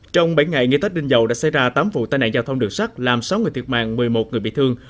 trong bảy ngày nghỉ tết đinh dậu đã xảy ra tám vụ tai nạn giao thông đường sắt làm sáu người thiệt mạng một mươi một người bị thương